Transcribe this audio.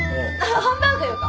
ハンバーグがよか！